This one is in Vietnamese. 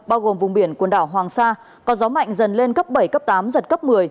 bao gồm vùng biển quần đảo hoàng sa có gió mạnh dần lên cấp bảy cấp tám giật cấp một mươi